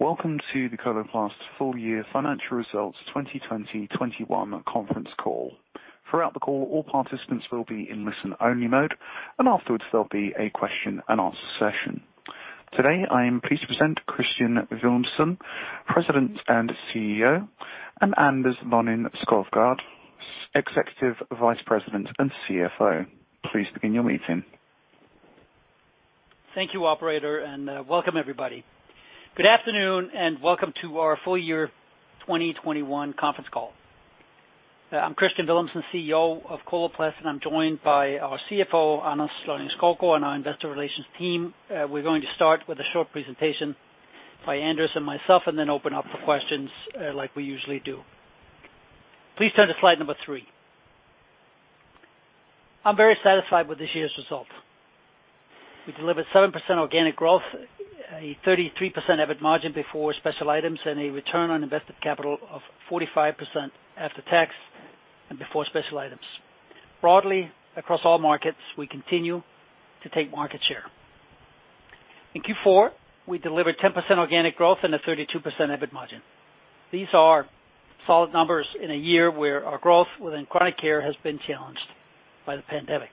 Welcome to the Coloplast Full Year Financial Results 2020/2021 Conference Call. Throughout the call, all participants will be in listen-only mode, and afterwards, there'll be a question and answer session. Today, I am pleased to present Kristian Villumsen, President and CEO, and Anders Lonning-Skovgaard, Executive Vice President and CFO. Please begin your meeting. Thank you, operator, and welcome, everybody. Good afternoon and welcome to our full year 2021 conference call. I'm Kristian Villumsen, CEO of Coloplast, and I'm joined by our CFO, Anders Lonning-Skovgaard, and our Investor Relations team. We're going to start with a short presentation by Anders and myself and then open up for questions, like we usually do. Please turn to slide number three. I'm very satisfied with this year's result. We delivered 7% organic growth, a 33% EBIT margin before special items, and a return on invested capital of 45% after tax and before special items. Broadly across all markets, we continue to take market share. In Q4, we delivered 10% organic growth and a 32% EBIT margin. These are solid numbers in a year where our growth within Chronic Care has been challenged by the pandemic.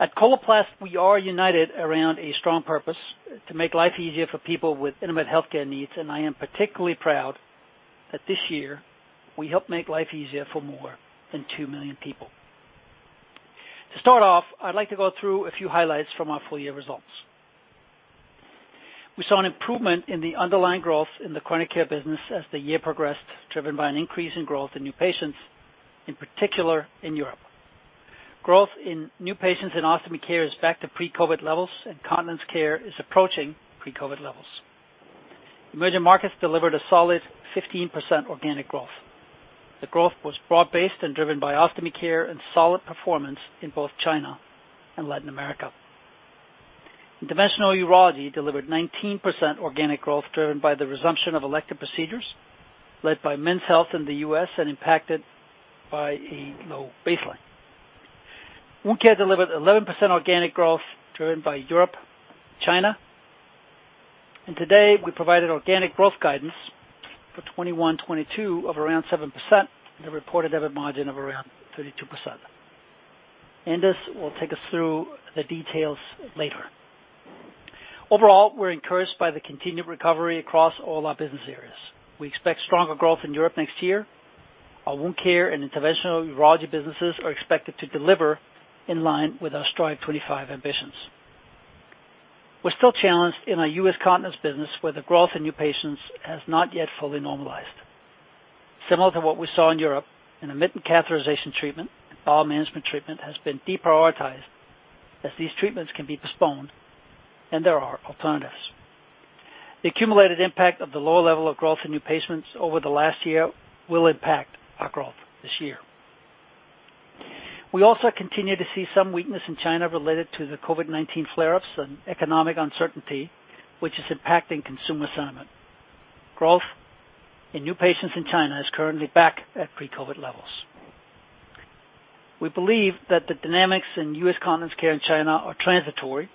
At Coloplast, we are united around a strong purpose to make life easier for people with intimate healthcare needs, and I am particularly proud that this year we helped make life easier for more than 2 million people. To start off, I'd like to go through a few highlights from our full year results. We saw an improvement in the underlying growth in the Chronic Care business as the year progressed, driven by an increase in growth in new patients, in particular in Europe. Growth in new patients in Ostomy Care is back to pre-COVID levels, and Continence Care is approaching pre-COVID levels. Emerging Markets delivered a solid 15% organic growth. The growth was broad-based and driven by Ostomy Care and solid performance in both China and Latin America. Interventional Urology delivered 19% organic growth driven by the resumption of elective procedures led by Men's Health in the U.S. and impacted by a low baseline. Wound Care delivered 11% organic growth driven by Europe, China. Today, we provided organic growth guidance for 2021-2022 of around 7% and a reported EBIT margin of around 32%. Anders will take us through the details later. Overall, we're encouraged by the continued recovery across all our business areas. We expect stronger growth in Europe next year. Our Wound Care and interventional urology businesses are expected to deliver in line with our Strive25 ambitions. We're still challenged in our U.S. Continence business, where the growth in new patients has not yet fully normalized. Similar to what we saw in Europe, intermittent catheterization treatment and bowel management treatment has been deprioritized as these treatments can be postponed and there are alternatives. The accumulated impact of the lower level of growth in new patients over the last year will impact our growth this year. We also continue to see some weakness in China related to the COVID-19 flare-ups and economic uncertainty, which is impacting consumer sentiment. Growth in new patients in China is currently back at pre-COVID levels. We believe that the dynamics in U.S. Continence Care in China are transitory,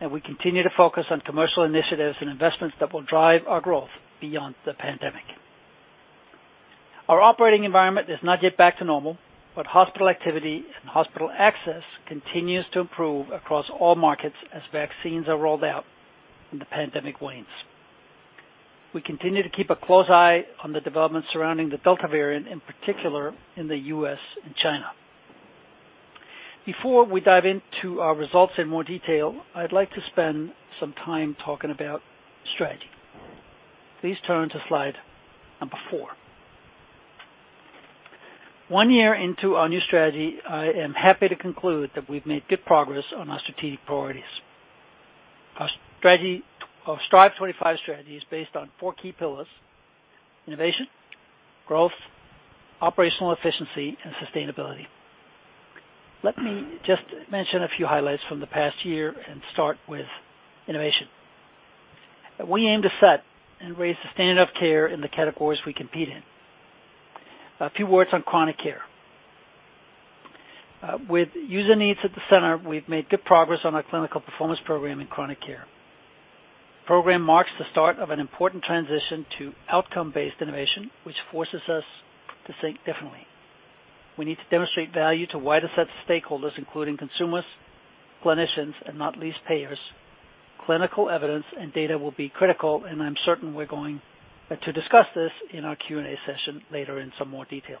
and we continue to focus on commercial initiatives and investments that will drive our growth beyond the pandemic. Our operating environment is not yet back to normal, but hospital activity and hospital access continues to improve across all markets as vaccines are rolled out and the pandemic wanes. We continue to keep a close eye on the developments surrounding the Delta variant, in particular in the U.S. and China. Before we dive into our results in more detail, I'd like to spend some time talking about strategy. Please turn to slide number four. One year into our new strategy, I am happy to conclude that we've made good progress on our strategic priorities. Our Strive25 strategy is based on four key pillars: innovation, growth, operational efficiency, and sustainability. Let me just mention a few highlights from the past year and start with innovation. We aim to set and raise the standard of care in the categories we compete in. A few words on Chronic Care. With user needs at the center, we've made good progress on our Clinical Performance Program in Chronic Care. The program marks the start of an important transition to outcome-based innovation, which forces us to think differently. We need to demonstrate value to wider sets of stakeholders, including consumers, clinicians, and not least payers. Clinical evidence and data will be critical, and I'm certain we're going to discuss this in our Q&A session later in some more detail.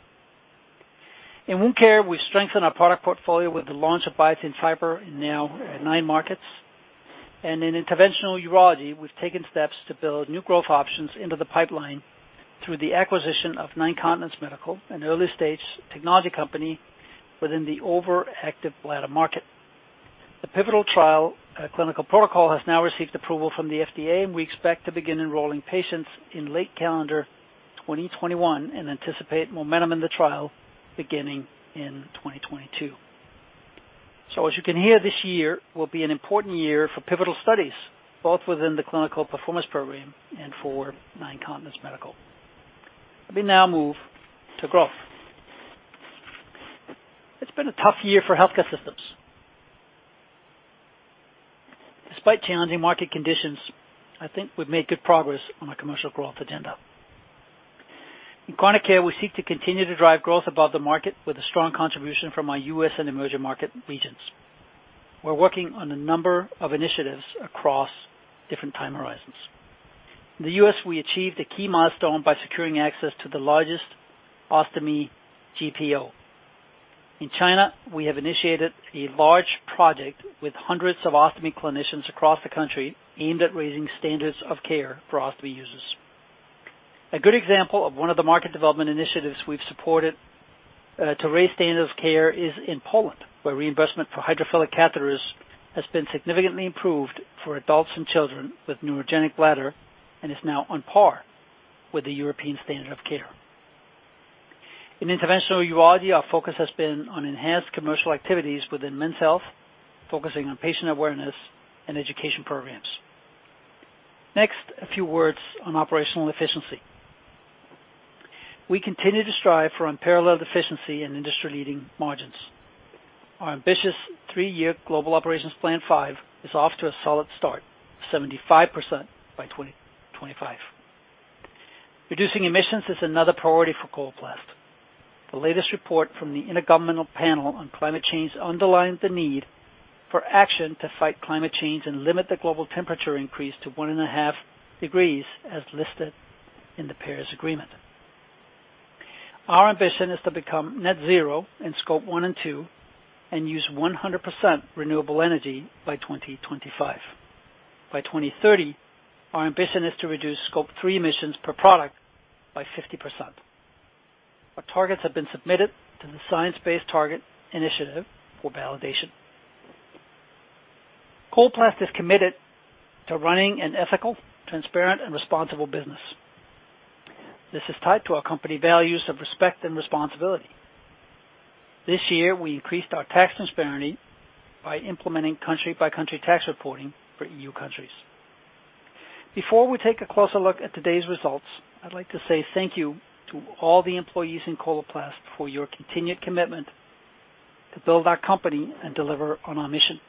In Wound Care, we've strengthened our product portfolio with the launch of Biatain Fiber now in nine markets. In Interventional Urology, we've taken steps to build new growth options into the pipeline through the acquisition of Nine Continents Medical, an early-stage technology company within the overactive bladder market. The pivotal trial, clinical protocol has now received approval from the FDA, and we expect to begin enrolling patients in late calendar 2021 and anticipate momentum in the trial beginning in 2022. As you can hear, this year will be an important year for pivotal studies, both within the Clinical Performance Program and for Nine Continents Medical. Let me now move to growth. It's been a tough year for healthcare systems. Despite challenging market conditions, I think we've made good progress on our commercial growth agenda. In Chronic Care, we seek to continue to drive growth above the market with a strong contribution from our U.S. and Emerging Market regions. We're working on a number of initiatives across different time horizons. In the U.S., we achieved a key milestone by securing access to the largest Ostomy GPO. In China, we have initiated a large project with hundreds of Ostomy clinicians across the country aimed at raising standards of care for Ostomy users. A good example of one of the market development initiatives we've supported to raise standard of care is in Poland, where reimbursement for hydrophilic catheters has been significantly improved for adults and children with neurogenic bladder and is now on par with the European standard of care. In Interventional Urology, our focus has been on enhanced commercial activities within Men's Health, focusing on patient awareness and education programs. Next, a few words on operational efficiency. We continue to strive for unparalleled efficiency and industry-leading margins. Our ambitious three-year Global Operations Plan 5 is off to a solid start, 75% by 2025. Reducing emissions is another priority for Coloplast. The latest report from the Intergovernmental Panel on Climate Change underlined the need for action to fight climate change and limit the global temperature increase to one and a half degrees, as listed in the Paris Agreement. Our ambition is to become net zero in Scope 1 and 2 and use 100% renewable energy by 2025. By 2030, our ambition is to reduce Scope 3 emissions per product by 50%. Our targets have been submitted to the Science Based Targets initiative for validation. Coloplast is committed to running an ethical, transparent and responsible business. This is tied to our company values of respect and responsibility. This year, we increased our tax transparency by implementing country-by-country tax reporting for EU countries. Before we take a closer look at today's results, I'd like to say thank you to all the employees in Coloplast for your continued commitment to build our company and deliver on our mission.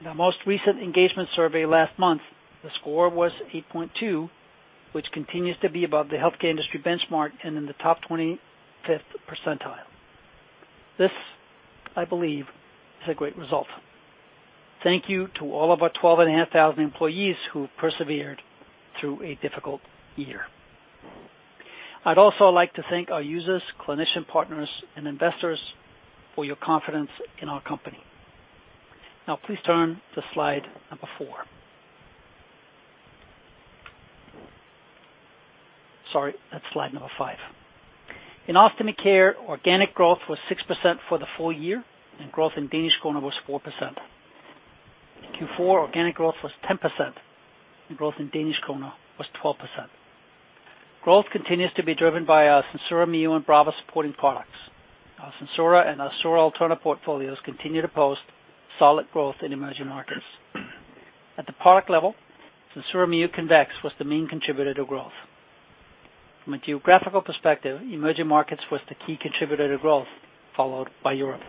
In our most recent engagement survey last month, the score was 8.2, which continues to be above the healthcare industry benchmark and in the top 25th percentile. This, I believe, is a great result. Thank you to all of our 12,500 employees who persevered through a difficult year. I'd also like to thank our users, clinician partners and investors for your confidence in our company. Now please turn to slide four. Sorry, that's slide five. In Ostomy Care, organic growth was 6% for the full year and growth in Danish krone was 4%. In Q4, organic growth was 10% and growth in Danish krone was 12%. Growth continues to be driven by our SenSura Mio and Brava supporting products. Our SenSura and Assura/Alterna portfolios continue to post solid growth in Emerging Markets. At the product level, SenSura Mio Convex was the main contributor to growth. From a geographical perspective, Emerging Markets was the key contributor to growth, followed by Europe.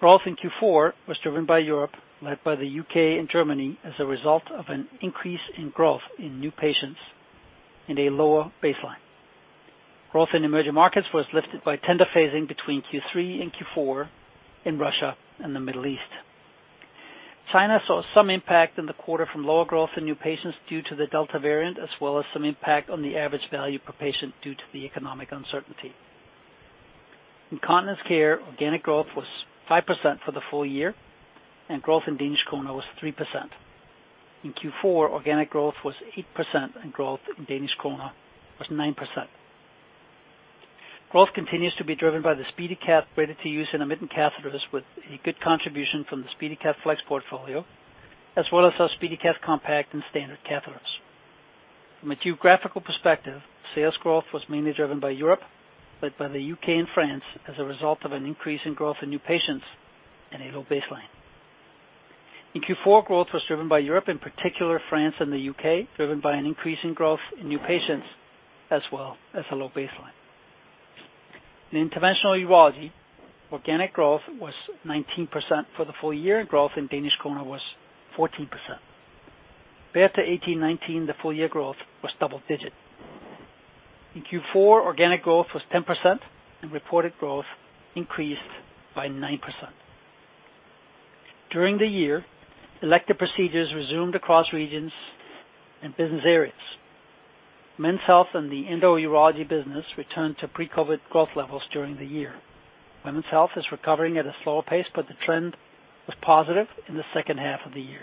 Growth in Q4 was driven by Europe, led by the U.K. and Germany as a result of an increase in growth in new patients in a lower baseline. Growth in Emerging Markets was lifted by tender phasing between Q3 and Q4 in Russia and the Middle East. China saw some impact in the quarter from lower growth in new patients due to the Delta variant, as well as some impact on the average value per patient due to the economic uncertainty. In Continence Care, organic growth was 5% for the full year and growth in Danish krone was 3%. In Q4, organic growth was 8% and growth in Danish krone was 9%. Growth continues to be driven by the SpeediCath ready-to-use intermittent catheters with a good contribution from the SpeediCath Flex portfolio, as well as our SpeediCath Compact and Standard catheters. From a geographical perspective, sales growth was mainly driven by Europe, led by the U.K. and France as a result of an increase in growth in new patients and a low baseline. In Q4, growth was driven by Europe, in particular France and the U.K., driven by an increase in growth in new patients, as well as a low baseline. In Interventional Urology, organic growth was 19% for the full year, and growth in Danish krone was 14%. Compared to 2018-2019, the full year growth was double-digit. In Q4, organic growth was 10% and reported growth increased by 9%. During the year, elective procedures resumed across regions and business areas. Men's Health and the Endourology business returned to pre-COVID growth levels during the year. Women's Health is recovering at a slower pace, but the trend was positive in the second half of the year.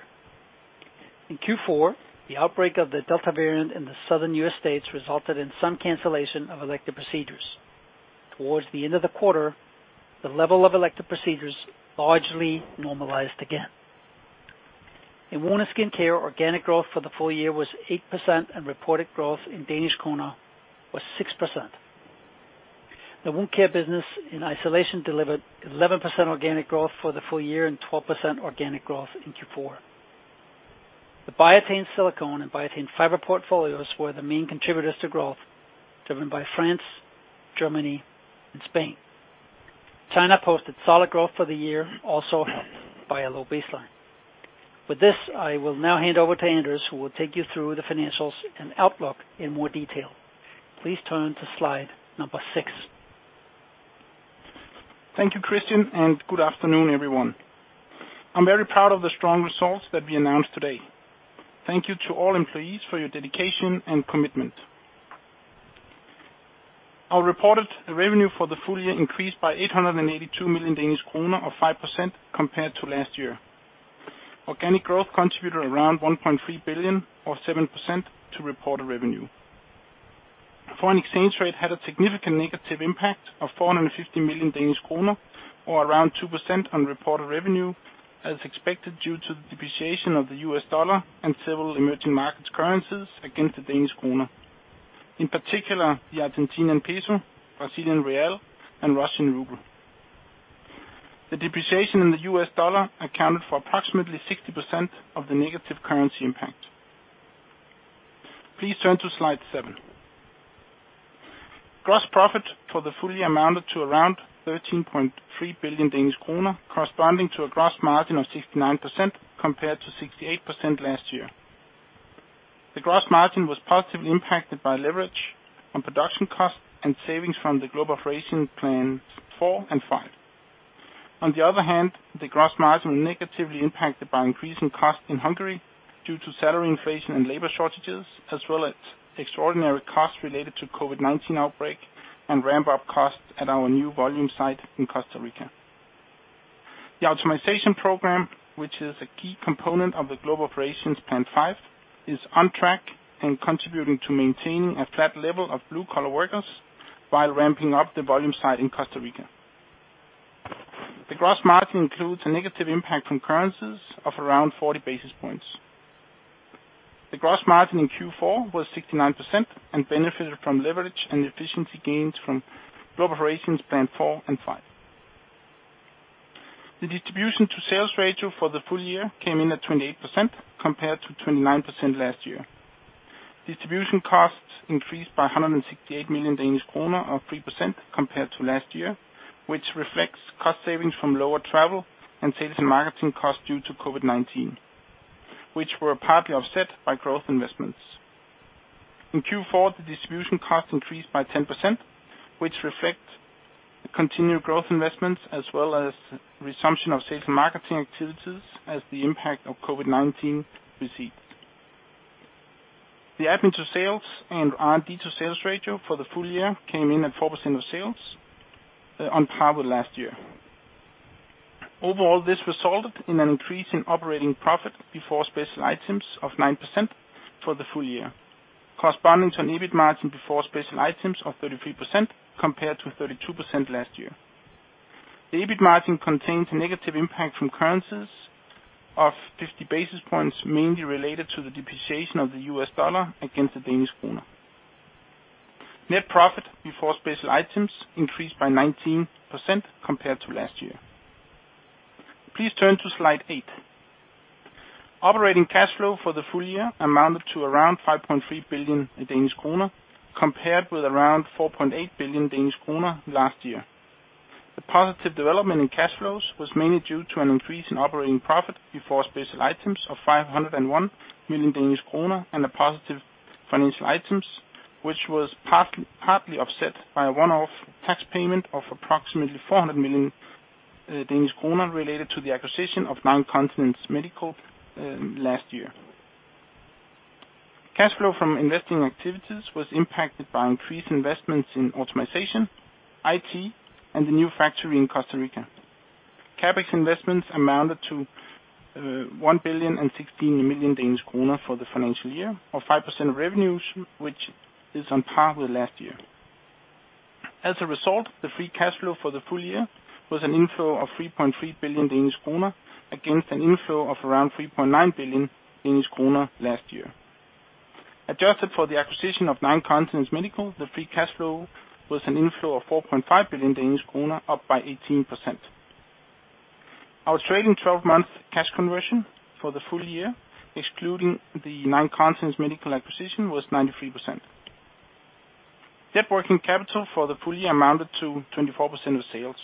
In Q4, the outbreak of the Delta variant in the southern U.S. states resulted in some cancellation of elective procedures. Towards the end of the quarter, the level of elective procedures largely normalized again. In Wound and Skin Care, organic growth for the full year was 8% and reported growth in Danish krone was 6%. The Wound Care business in isolation delivered 11% organic growth for the full year and 12% organic growth in Q4. The Biatain Silicone and Biatain Fiber portfolios were the main contributors to growth, driven by France, Germany, and Spain. China posted solid growth for the year, also helped by a low baseline. With this, I will now hand over to Anders, who will take you through the financials and outlook in more detail. Please turn to slide number six. Thank you, Kristian, and good afternoon, everyone. I'm very proud of the strong results that we announced today. Thank you to all employees for your dedication and commitment. Our reported revenue for the full year increased by 882 million Danish kroner, or 5% compared to last year. Organic growth contributed around 1.3 billion or 7% to reported revenue. Foreign exchange rate had a significant negative impact of 450 million Danish kroner or around 2% on reported revenue, as expected, due to the depreciation of the U.S. dollar and several emerging markets currencies against the Danish krone. In particular, the Argentinian peso, Brazilian real, and Russian ruble. The depreciation in the U.S. dollar accounted for approximately 60% of the negative currency impact. Please turn to slide seven. Gross profit for the full year amounted to around 13.3 billion Danish kroner, corresponding to a gross margin of 69% compared to 68% last year. The gross margin was positively impacted by leverage on production costs and savings from the Global Operations Plans 4 and 5. The gross margin was negatively impacted by increasing costs in Hungary due to salary inflation and labor shortages, as well as extraordinary costs related to COVID-19 outbreak and ramp-up costs at our new volume site in Costa Rica. The optimization program, which is a key component of the Global Operations Plan 5, is on track and contributing to maintaining a flat level of blue-collar workers while ramping up the volume site in Costa Rica. The gross margin includes a negative impact from currencies of around 40 basis points. The gross margin in Q4 was 69% and benefited from leverage and efficiency gains from Global Operations Plan 4 and 5. The distribution to sales ratio for the full year came in at 28%, compared to 29% last year. Distribution costs increased by 168 million Danish kroner, or 3% compared to last year, which reflects cost savings from lower travel and sales and marketing costs due to COVID-19, which were partly offset by growth investments. In Q4, the distribution cost increased by 10%, which reflect the continued growth investments as well as resumption of sales and marketing activities as the impact of COVID-19 receded. The admin to sales and R&D to sales ratio for the full year came in at 4% of sales on par with last year. Overall, this resulted in an increase in operating profit before special items of 9% for the full year, corresponding to an EBIT margin before special items of 33% compared to 32% last year. The EBIT margin contains a negative impact from currencies of 50 basis points, mainly related to the depreciation of the U.S. dollar against the Danish krone. Net profit before special items increased by 19% compared to last year. Please turn to slide eight. Operating cash flow for the full year amounted to around 5.3 billion Danish kroner, compared with around 4.8 billion Danish kroner last year. The positive development in cash flows was mainly due to an increase in operating profit before special items of 501 million Danish kroner and a positive financial items, which was partly offset by a one-off tax payment of approximately 400 million Danish kroner related to the acquisition of Nine Continents Medical last year. Cash flow from investing activities was impacted by increased investments in optimization, IT, and the new factory in Costa Rica. CapEx investments amounted to 1,016 million Danish kroner for the financial year, or 5% of revenues, which is on par with last year. As a result, the free cash flow for the full year was an inflow of 3.3 billion Danish kroner against an inflow of around 3.9 billion Danish kroner last year. Adjusted for the acquisition of Nine Continents Medical, the free cash flow was an inflow of 4.5 billion Danish kroner, up by 18%. Our trailing 12-month cash conversion for the full year, excluding the Nine Continents Medical acquisition, was 93%. Net working capital for the full year amounted to 24% of sales.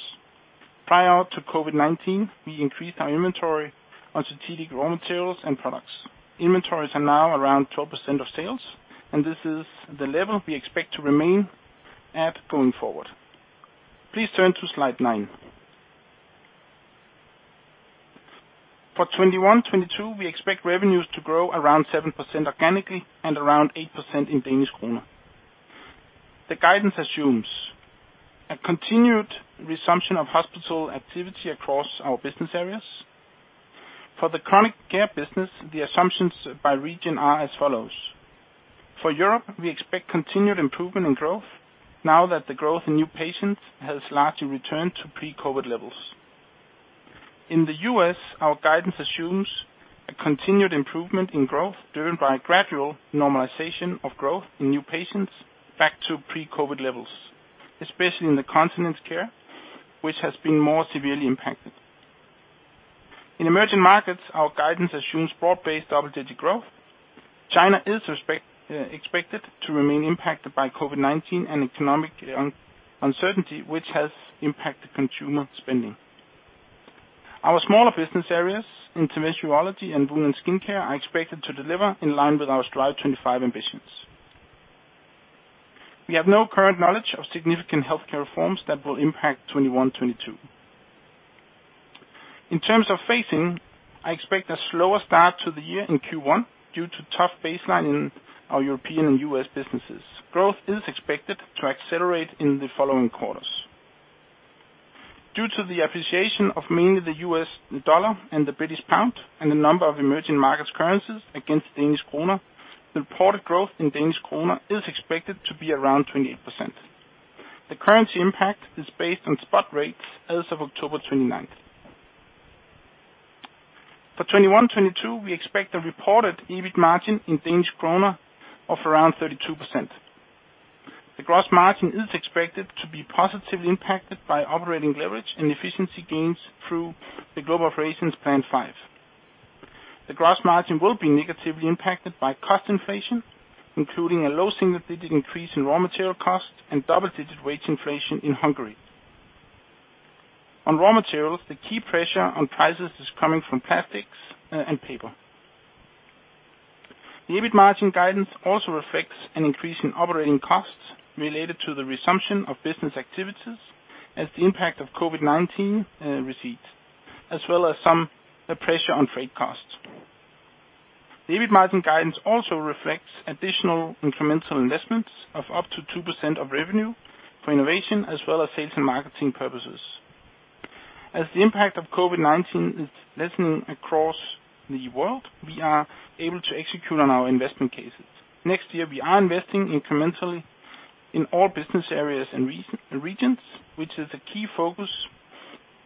Prior to COVID-19, we increased our inventory on strategic raw materials and products. Inventories are now around 12% of sales, and this is the level we expect to remain at going forward. Please turn to slide nine. For 2021-2022, we expect revenues to grow around 7% organically and around 8% in Danish krone. The guidance assumes a continued resumption of hospital activity across our business areas. For the Chronic Care business, the assumptions by region are as follows. For Europe, we expect continued improvement in growth now that the growth in new patients has largely returned to pre-COVID levels. In the U.S., our guidance assumes a continued improvement in growth driven by a gradual normalization of growth in new patients back to pre-COVID levels, especially in the Continence Care, which has been more severely impacted. In Emerging Markets, our guidance assumes broad-based double-digit growth. China is expected to remain impacted by COVID-19 and economic uncertainty, which has impacted consumer spending. Our smaller business areas, Interventional Urology and Wound and Skin Care, are expected to deliver in line with our Strive25 ambitions. We have no current knowledge of significant healthcare reforms that will impact 2021-2022. In terms of phasing, I expect a slower start to the year in Q1 due to tough baseline in our European and U.S. businesses. Growth is expected to accelerate in the following quarters. Due to the appreciation of mainly the U.S. dollar and the British pound, and a number of Emerging Markets currencies against Danish krone, the reported growth in Danish krone is expected to be around 28%. The currency impact is based on spot rates as of October 29. For 2021-2022, we expect a reported EBIT margin in Danish krone of around 32%. The gross margin is expected to be positively impacted by operating leverage and efficiency gains through the Global Operations Plan 5. The gross margin will be negatively impacted by cost inflation, including a low single-digit increase in raw material costs and double-digit wage inflation in Hungary. On raw materials, the key pressure on prices is coming from plastics and paper. The EBIT margin guidance also reflects an increase in operating costs related to the resumption of business activities as the impact of COVID-19 recedes, as well as some pressure on freight costs. The EBIT margin guidance also reflects additional incremental investments of up to 2% of revenue for innovation as well as sales and marketing purposes. As the impact of COVID-19 is lessening across the world, we are able to execute on our investment cases. Next year, we are investing incrementally in all business areas and regions, which is a key focus on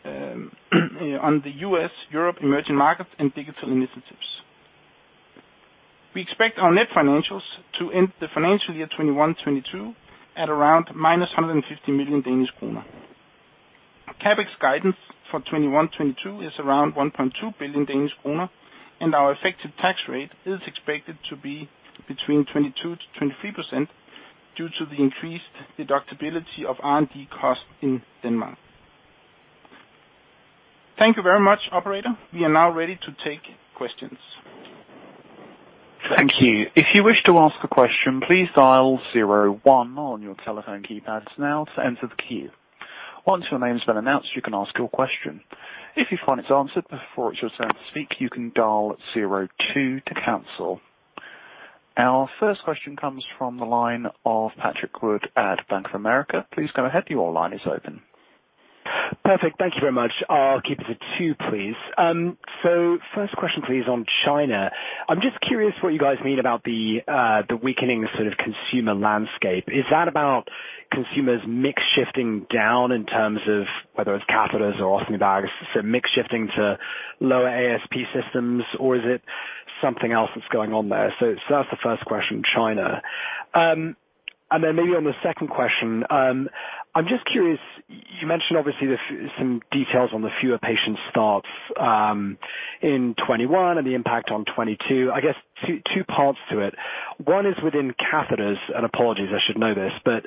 the U.S., Europe, Emerging Markets and digital initiatives. We expect our net financials to end the financial year 2021-2022 at around -150 million Danish kroner. CapEx guidance for 2021, 2022 is around 1.2 billion Danish kroner, and our effective tax rate is expected to be between 22%-23% due to the increased deductibility of R&D costs in Denmark. Thank you very much, operator. We are now ready to take questions. Thank you. If you wish to ask a question, please dial zero one on your telephone keypads now to enter the queue. Once your name has been announced, you can ask your question. If you find it's answered before it's your turn to speak, you can dial zero two to cancel. Our first question comes from the line of Patrick Wood at Bank of America. Please go ahead. Your line is open. Perfect. Thank you very much. I'll keep it at two, please. First question, please, on China. I'm just curious what you guys mean about the weakening sort of consumer landscape. Is that about consumers mix shifting down in terms of whether it's catheters or Ostomy bags, so mix shifting to lower ASP systems, or is it something else that's going on there? That's the first question, China. And then maybe on the second question, I'm just curious, you mentioned obviously some details on the fewer patient starts in 2021 and the impact on 2022. I guess two parts to it. One is within catheters, and apologies I should know this, but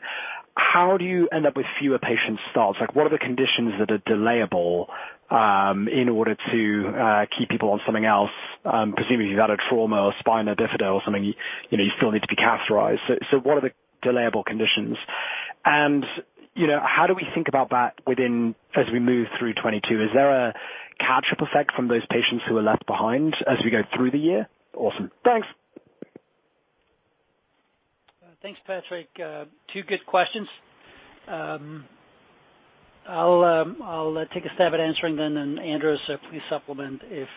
how do you end up with fewer patient starts? Like, what are the conditions that are delayable in order to keep people on something else, presumably that a trauma or spina bifida or something, you know, you still need to be catheterized. So what are the delayable conditions? You know, how do we think about that within as we move through 2022? Is there a catch-up effect from those patients who are left behind as we go through the year? Awesome. Thanks. Thanks, Patrick. Two good questions. I'll take a stab at answering them and Anders, please supplement if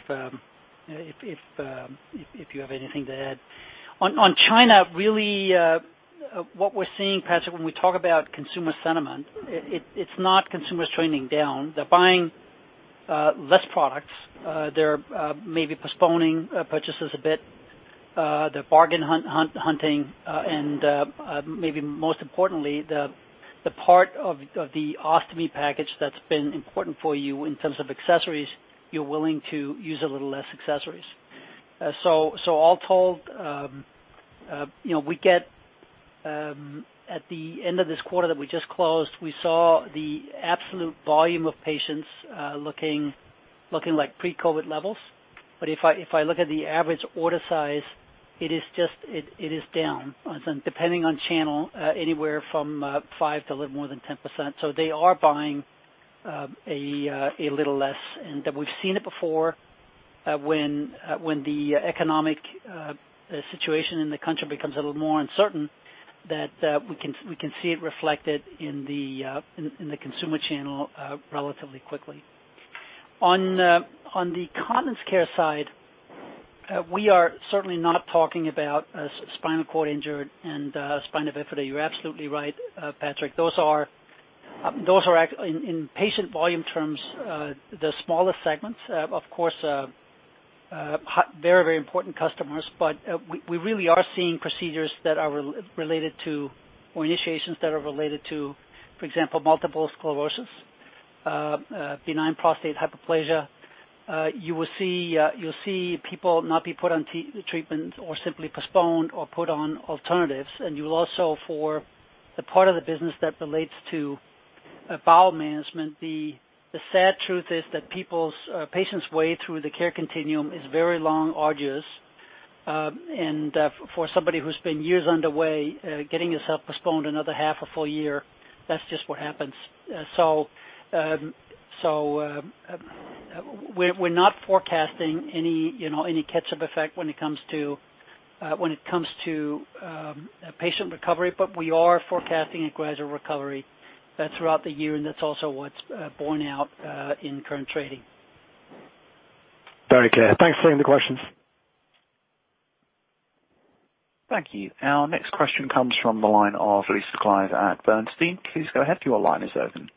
you have anything to add. On China, really, what we're seeing, Patrick, when we talk about consumer sentiment, it's not consumers trending down. They're buying less products. They're maybe postponing purchases a bit. They're bargain hunting, and maybe most importantly, the part of the Ostomy package that's been important for you in terms of accessories, you're willing to use a little less accessories. So all told, you know, at the end of this quarter that we just closed, we saw the absolute volume of patients looking like pre-COVID levels. If I look at the average order size, it is just down, depending on channel, anywhere from 5% to a little more than 10%. They are buying a little less. We've seen it before, when the economic situation in the country becomes a little more uncertain that we can see it reflected in the consumer channel relatively quickly. On the Continence Care side, we are certainly not talking about spinal cord injury and spina bifida. You're absolutely right, Patrick. Those are in patient volume terms the smallest segments. Of course, very important customers, but we really are seeing procedures that are related to or initiations that are related to, for example, multiple sclerosis, benign prostatic hyperplasia. You'll see people not be put on treatment or simply postponed or put on alternatives. You will also for the part of the business that relates to bowel management, the sad truth is that patients' way through the care continuum is very long, arduous. For somebody who's been years underway, getting yourself postponed another half a full year, that's just what happens. We're not forecasting any, you know, catch-up effect when it comes to patient recovery. We are forecasting a gradual recovery throughout the year, and that's also what's borne out in current trading. Very clear. Thanks for taking the questions. Thank you. Our next question comes from the line of Lisa Clive at Bernstein. Please go ahead. Your line is open.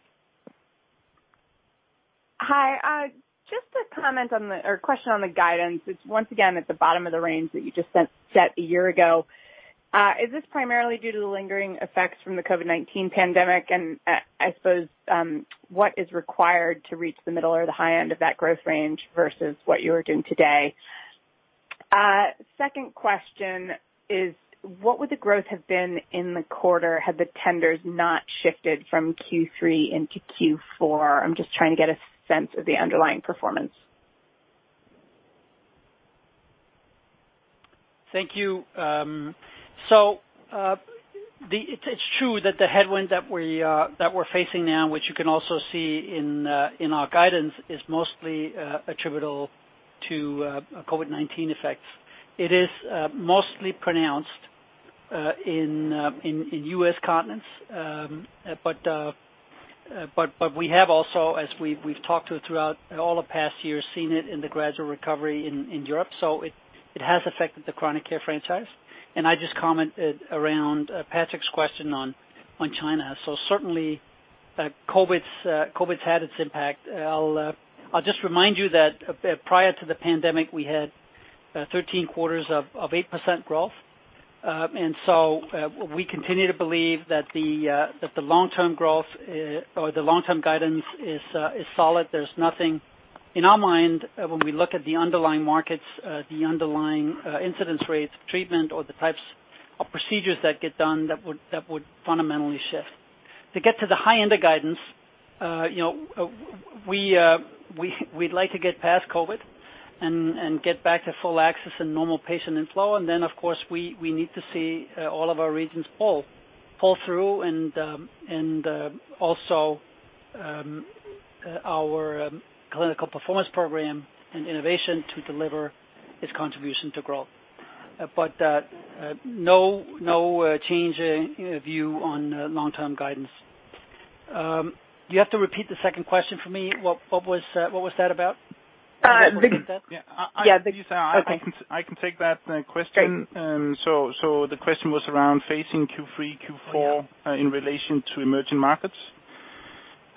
Hi. Just a comment or question on the guidance. It's once again at the bottom of the range that you just set a year ago. Is this primarily due to the lingering effects from the COVID-19 pandemic? I suppose what is required to reach the middle or the high end of that growth range versus what you are doing today? Second question is, what would the growth have been in the quarter had the tenders not shifted from Q3 into Q4? I'm just trying to get a sense of the underlying performance. Thank you. It's true that the headwinds that we're facing now, which you can also see in our guidance, is mostly attributable to COVID-19 effects. It is mostly pronounced in U.S. Continence. We have also, as we've talked about throughout all the past years, seen it in the gradual recovery in Europe. It has affected the Chronic Care franchise. I just commented on Patrick's question on China. Certainly COVID's had its impact. I'll just remind you that prior to the pandemic, we had 13 quarters of 8% growth. We continue to believe that the long-term growth or the long-term guidance is solid. There's nothing in our mind when we look at the underlying markets, the underlying incidence rates of treatment or the types of procedures that get done that would fundamentally shift. To get to the high end of guidance, you know, we'd like to get past COVID and get back to full access and normal patient inflow. Then, of course, we need to see all of our regions pull through and our Clinical Performance Program and innovation to deliver its contribution to growth. No change in view on long-term guidance. You have to repeat the second question for me. What was that about? Uh, the- Can you repeat that? Yeah. Yeah. Please, uh, I can- Okay. I can take that question. Great. The question was around facing Q3, Q4. Yeah. In relation to Emerging Markets.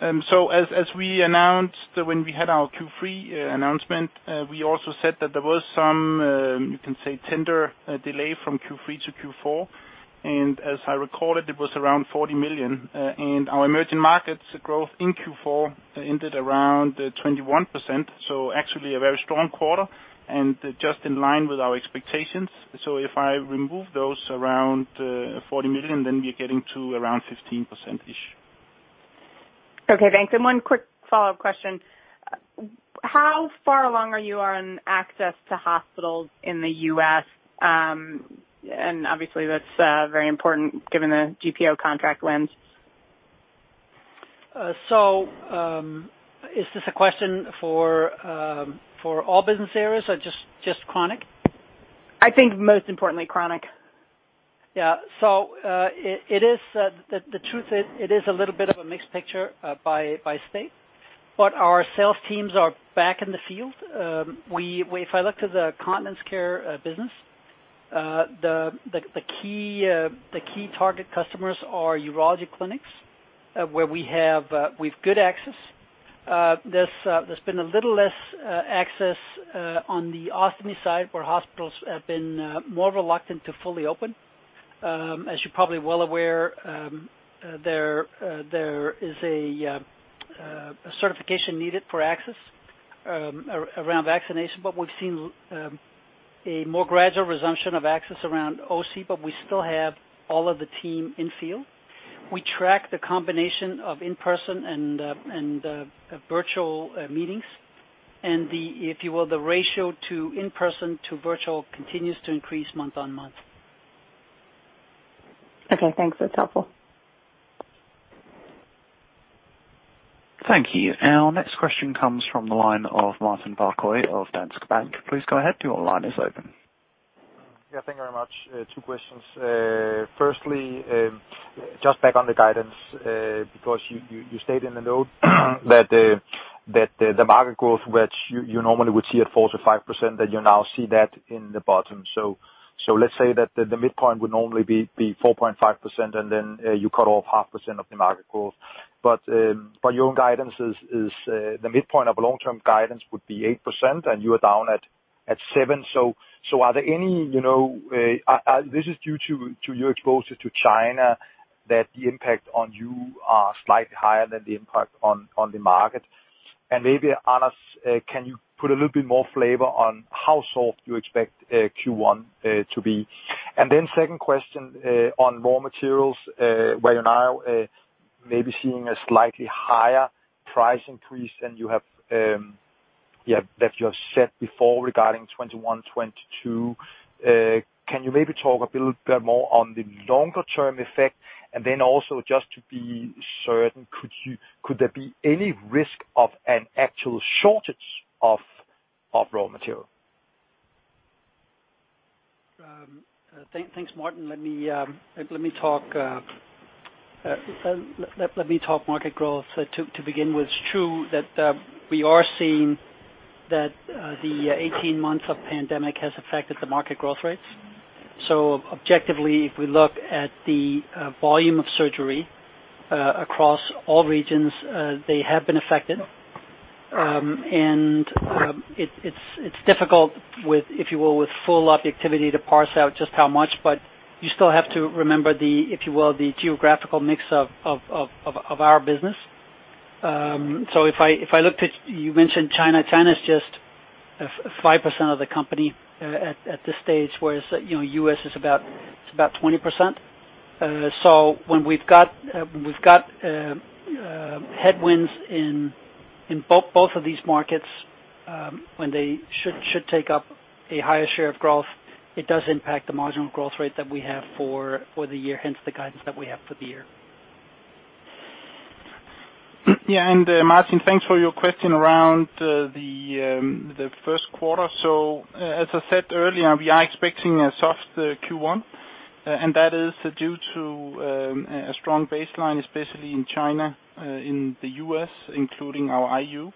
As we announced when we had our Q3 announcement, we also said that there was some you can say tender delay from Q3 to Q4. As I recall it was around 40 million. Our Emerging Markets growth in Q4 ended around 21%, so actually a very strong quarter and just in line with our expectations. If I remove those around 40 million, then we're getting to around 15%-ish. Okay, thanks. One quick follow-up question. How far along are you on access to hospitals in the U.S.? Obviously that's very important given the GPO contract wins. Is this a question for all business areas or just Chronic? I think most importantly Chronic. The truth is, it is a little bit of a mixed picture by state, but our sales teams are back in the field. If I look to the Continence Care business, the key target customers are urology clinics, where we have good access. There has been a little less access on the Ostomy side, where hospitals have been more reluctant to fully open. As you're probably well aware, there is a certification needed for access around vaccination. We've seen a more gradual resumption of access around OC, but we still have all of the team in field. We track the combination of in-person and virtual meetings. The, if you will, ratio of in-person to virtual continues to increase month-on-month. Okay, thanks. That's helpful. Thank you. Our next question comes from the line of Martin Parkhøi of Danske Bank. Please go ahead. Your line is open. Yeah, thank you very much. Two questions. Firstly, just back on the guidance, because you stayed in the note that the market growth, which you normally would see at 4%-5%, that you now see that in the bottom. Let's say that the midpoint would normally be 4.5%, and then you cut off half percent of the market growth. But your guidance is the midpoint of long-term guidance would be 8% and you are down at 7%. Are there any, you know, this is due to your exposure to China, that the impact on you are slightly higher than the impact on the market. Maybe, Anders, can you put a little bit more flavor on how soft you expect Q1 to be? Then second question, on raw materials, where you're now maybe seeing a slightly higher price increase than you have set before regarding 2021-2022. Can you maybe talk a little bit more on the longer term effect? Then also just to be certain, could there be any risk of an actual shortage of raw material? Thanks, Martin. Let me talk about market growth to begin with. It's true that we are seeing that the 18 months of the pandemic has affected the market growth rates. Objectively, if we look at the volume of surgery across all regions, they have been affected. It's difficult with, if you will, with full objectivity to parse out just how much. You still have to remember the, if you will, the geographical mix of our business. If I looked at. You mentioned China. China is just 5% of the company at this stage, whereas, you know, U.S. is about 20%. When we've got headwinds in both of these markets, when they should take up a higher share of growth, it does impact the marginal growth rate that we have for the year, hence the guidance that we have for the year. Martin, thanks for your question around the first quarter. As I said earlier, we are expecting a soft Q1, and that is due to a strong baseline, especially in China, in the U.S., including our IU.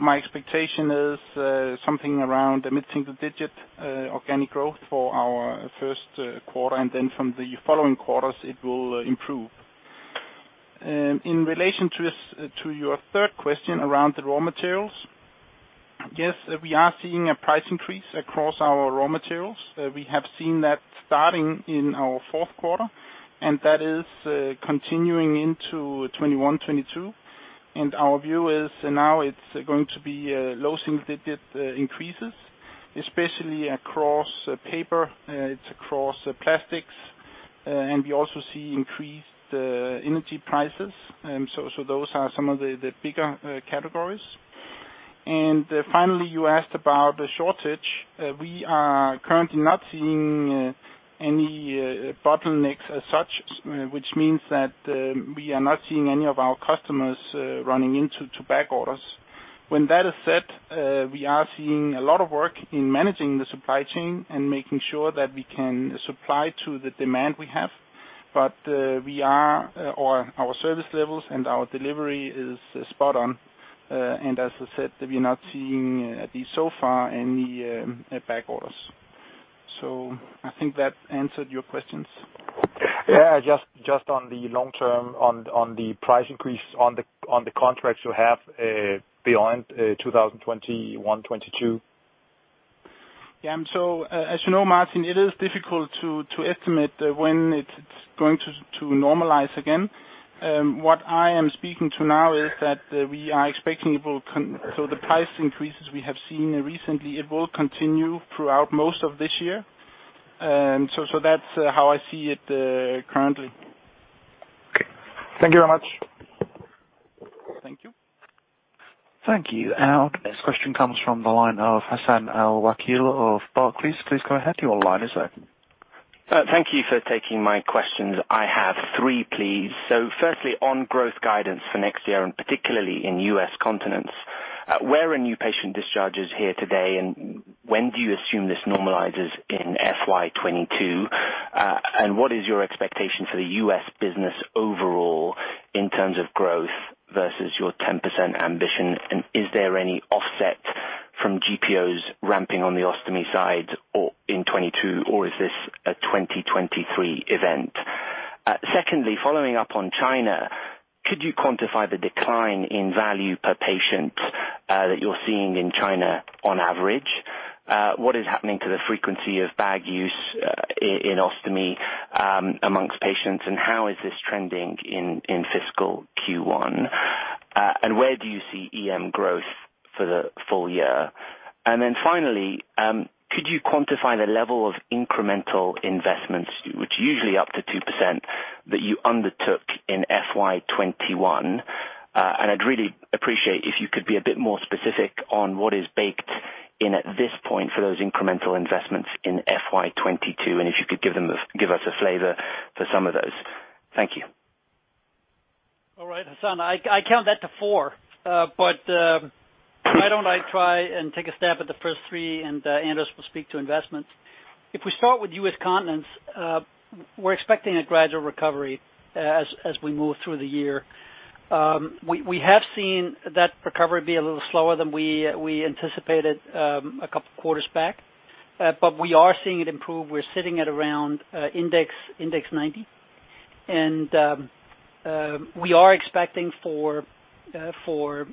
My expectation is something around a mid-single digit organic growth for our first quarter, and then from the following quarters, it will improve. In relation to your third question around the raw materials, yes, we are seeing a price increase across our raw materials. We have seen that starting in our fourth quarter, and that is continuing into 2021-2022. Our view is now it's going to be low single digit increases, especially across paper, it's across plastics, and we also see increased energy prices. So those are some of the bigger categories. Finally, you asked about the shortage. We are currently not seeing any bottlenecks as such, which means that we are not seeing any of our customers running into back orders. When that is said, we are seeing a lot of work in managing the supply chain and making sure that we can supply to the demand we have. We are on our service levels and our delivery is spot on. As I said, we are not seeing at least so far any back orders. I think that answered your questions. Yeah. Just on the long term on the price increase on the contracts you have beyond 2021-2022. As you know, Martin, it is difficult to estimate when it's going to normalize again. What I am speaking to now is that we are expecting the price increases we have seen recently will continue throughout most of this year. That's how I see it currently. Okay. Thank you very much. Thank you. Thank you. Our next question comes from the line of Hassan Al-Wakeel of Barclays. Please go ahead. Your line is open. Thank you for taking my questions. I have three, please. Firstly, on growth guidance for next year, and particularly in U.S. Continence, where are new patient discharges here today, and when do you assume this normalizes in FY 2022? And what is your expectation for the U.S. business overall in terms of growth versus your 10% ambition? And is there any offset from GPOs ramping on the Ostomy side or in 2022, or is this a 2023 event? Secondly, following up on China, could you quantify the decline in value per patient that you're seeing in China on average? What is happening to the frequency of bag use in Ostomy amongst patients, and how is this trending in fiscal Q1? And where do you see EM growth for the full year? Finally, could you quantify the level of incremental investments, which usually up to 2% that you undertook in FY 2021? I'd really appreciate if you could be a bit more specific on what is baked in at this point for those incremental investments in FY 2022, and if you could give us a flavor for some of those. Thank you. All right, Hassan, I count that to four. Why don't I try and take a stab at the first three, and Anders will speak to investments. If we start with U.S. Continence, we're expecting a gradual recovery as we move through the year. We have seen that recovery be a little slower than we anticipated a couple quarters back. We are seeing it improve. We're sitting at around index 90. We are expecting for the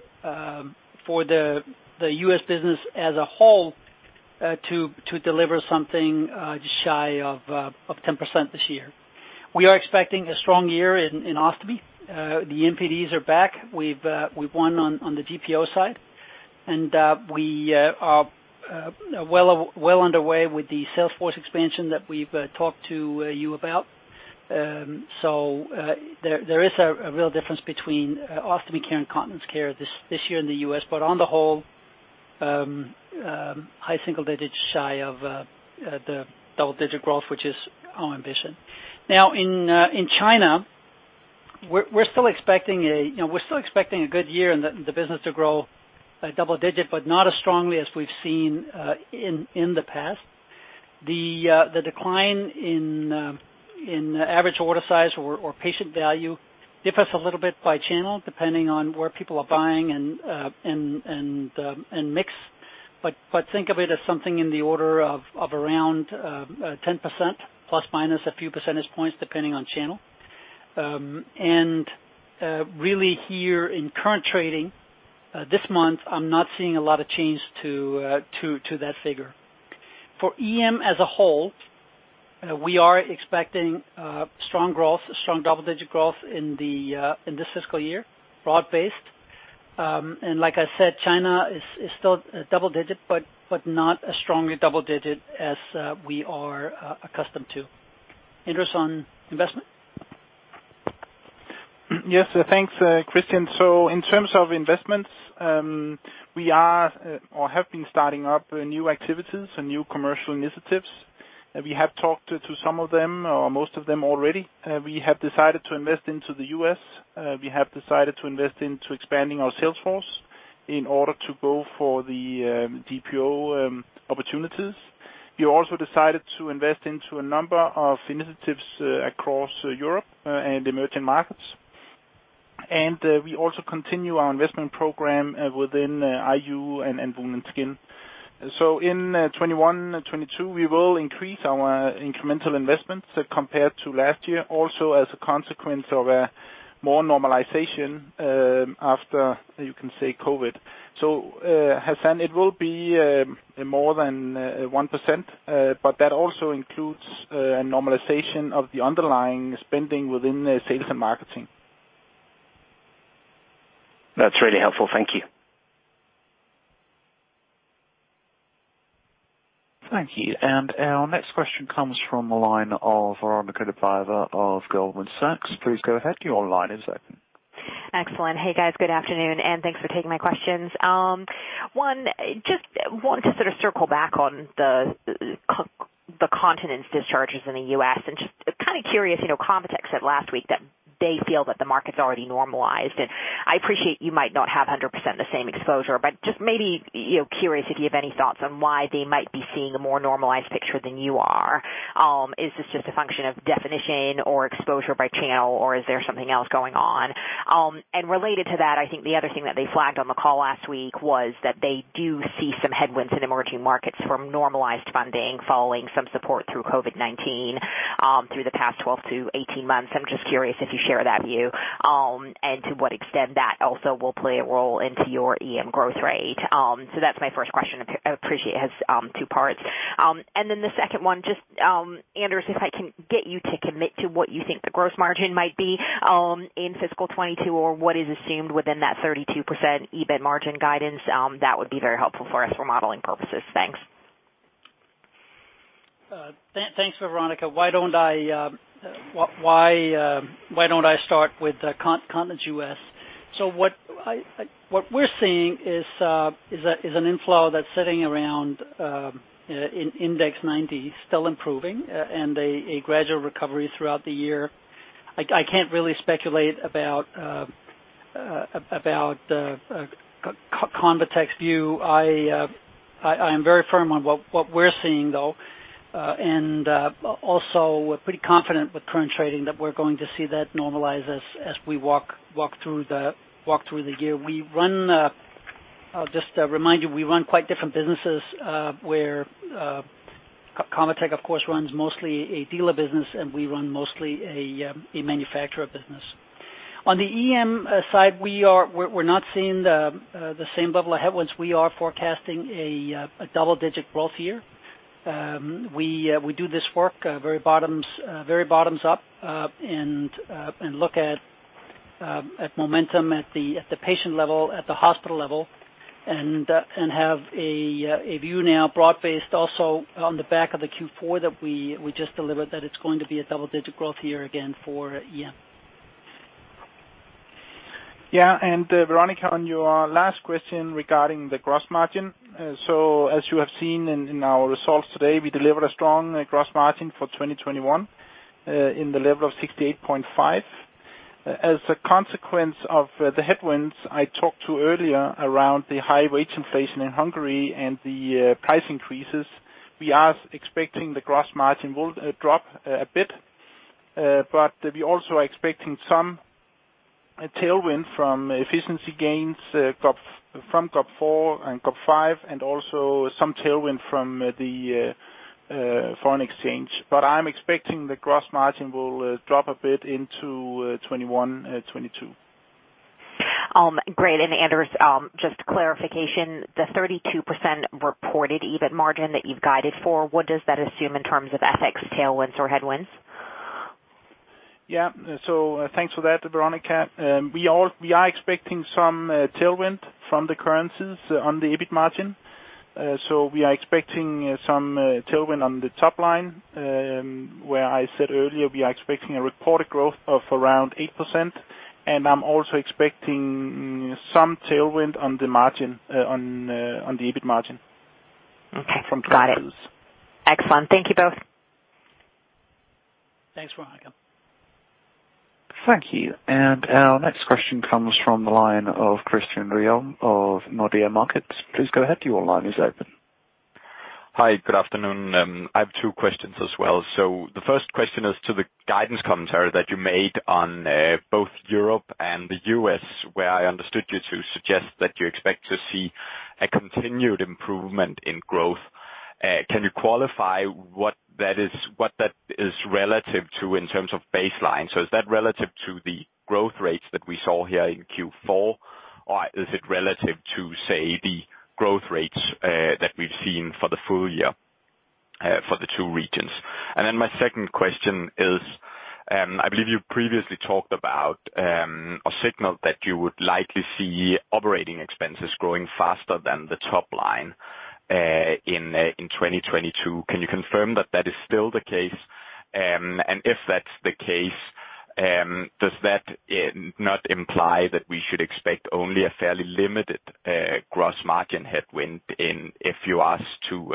U.S. business as a whole to deliver something just shy of 10% this year. We are expecting a strong year in Ostomy. The MPDs are back. We've won on the GPO side. We are well underway with the sales force expansion that we've talked to you about. There is a real difference between Ostomy Care and Continence Care this year in the U.S. On the whole, high single digits shy of the double-digit growth, which is our ambition. Now in China, we're still expecting a good year and the business to grow double-digit, but not as strongly as we've seen in the past. The decline in average order size or patient value differs a little bit by channel, depending on where people are buying and mix. Think of it as something in the order of around 10% ± a few percentage points, depending on channel. Really here in current trading this month, I'm not seeing a lot of change to that figure. For EM as a whole, we are expecting strong growth, strong double-digit growth in this fiscal year, broad-based. Like I said, China is still double-digit, but not as strongly double-digit as we are accustomed to. Anders, on investment. Yes, thanks, Kristian. In terms of investments, we are or have been starting up new activities and new commercial initiatives. We have talked to some of them or most of them already. We have decided to invest into the U.S. We have decided to invest into expanding our sales force in order to go for the GPO opportunities. We also decided to invest into a number of initiatives across Europe and Emerging Markets. We also continue our investment program within IU and Wound and Skin. In 2021 and 2022, we will increase our incremental investments compared to last year, also as a consequence of more normalization after you can say COVID. Hassan, it will be more than 1%, but that also includes normalization of the underlying spending within the sales and marketing. That's really helpful. Thank you. Thank you. Our next question comes from the line of Veronika Dubajova of Goldman Sachs. Please go ahead, your line is open. Excellent. Hey, guys. Good afternoon, and thanks for taking my questions. One, just want to sort of circle back on the continence discharges in the U.S. and just kind of curious, you know, ConvaTec said last week that they feel that the market's already normalized. I appreciate you might not have 100% the same exposure, but just maybe, you know, curious if you have any thoughts on why they might be seeing a more normalized picture than you are. Is this just a function of definition or exposure by channel, or is there something else going on? Related to that, I think the other thing that they flagged on the call last week was that they do see some headwinds in Emerging Markets from normalized funding following some support through COVID-19, through the past 12-18 months. I'm just curious if you share that view, and to what extent that also will play a role into your EM growth rate. That's my first question. Appreciate it has two parts. The second one, just, Anders, if I can get you to commit to what you think the gross margin might be, in fiscal 2022, or what is assumed within that 32% EBIT margin guidance, that would be very helpful for us for modeling purposes. Thanks. Thanks, Veronika. Why don't I start with continence U.S.? What we're seeing is an inflow that's sitting around in index 90, still improving, and a gradual recovery throughout the year. I can't really speculate about ConvaTec's view. I am very firm on what we're seeing though, and also we're pretty confident with current trading that we're going to see that normalize as we walk through the year. I'll just remind you, we run quite different businesses, where ConvaTec of course runs mostly a dealer business, and we run mostly a manufacturer business. On the EM side, we're not seeing the same level of headwinds. We are forecasting a double-digit growth year. We do this work very bottoms-up and look at momentum at the patient level, at the hospital level, and have a view now broad-based also on the back of the Q4 that we just delivered, that it's going to be a double-digit growth year again for EM. Veronika, on your last question regarding the gross margin. As you have seen in our results today, we delivered a strong gross margin for 2021 in the level of 68.5%. As a consequence of the headwinds I talked about earlier around the high wage inflation in Hungary and the price increases, we are expecting the gross margin will drop a bit, but we also are expecting some tailwind from efficiency gains from GOP 4 and GOP 5, and also some tailwind from the foreign exchange. I'm expecting the gross margin will drop a bit into 2021-2022. Great. Anders, just clarification, the 32% reported EBIT margin that you've guided for, what does that assume in terms of FX tailwinds or headwinds? Yeah. Thanks for that, Veronika. We are expecting some tailwind from the currencies on the EBIT margin. We are expecting some tailwind on the top line, where I said earlier, we are expecting a reported growth of around 8%, and I'm also expecting some tailwind on the margin, on the EBIT margin. Okay. Got it. Excellent. Thank you both. Thanks, Veronika. Thank you. Our next question comes from the line of Christian Ryom of Nordea Markets. Please go ahead. Your line is open. Hi. Good afternoon. I have two questions as well. The first question is to the guidance commentary that you made on both Europe and the U.S., where I understood you to suggest that you expect to see a continued improvement in growth. Can you qualify what that is, what that is relative to in terms of baseline? Is that relative to the growth rates that we saw here in Q4, or is it relative to, say, the growth rates that we've seen for the full year for the two regions? My second question is, I believe you previously talked about a signal that you would likely see operating expenses growing faster than the top line in 2022. Can you confirm that that is still the case? If that's the case, does that not imply that we should expect only a fairly limited gross margin headwind if asked to